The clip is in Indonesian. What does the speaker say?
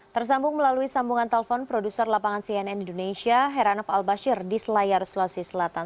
tersambung melalui sambungan telepon produser lapangan cnn indonesia heranov al bashir di selayar sulawesi selatan